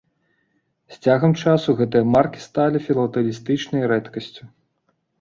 З цягам часу гэтыя маркі сталі філатэлістычнай рэдкасцю.